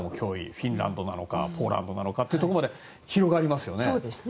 フィンランドなのかポーランドなのかというところまで広がりますよね。